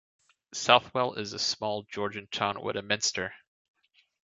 Southwell is a small Georgian town with a Minster.